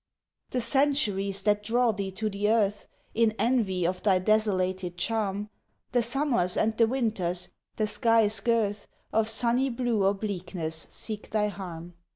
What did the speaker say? The centuries that draw thee to the earth In envy of thy desolated charm, The summers and the winters, the sky's girth Of sunny blue or bleakness, seek thy harm.